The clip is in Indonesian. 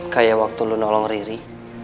kayak waktu lu nolong riri